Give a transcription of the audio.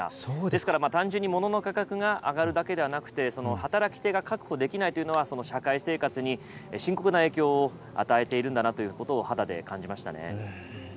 ですから単純に物の価格が上がるだけではなくてその働き手が確保できないというのはその社会生活に深刻な影響を与えているんだなということを肌で感じましたね。